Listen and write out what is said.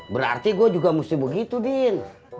berarti gue juga musti begitu din gathered